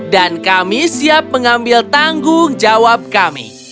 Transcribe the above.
dan kami siap mengambil tanggung jawab kami